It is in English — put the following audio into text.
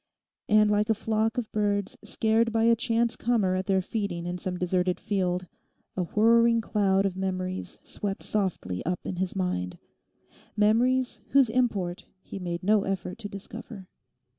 And like a flock of birds scared by a chance comer at their feeding in some deserted field, a whirring cloud of memories swept softly up in his mind—memories whose import he made no effort to discover.